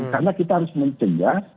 karena kita harus mencegah